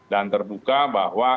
dan terbuka bahwa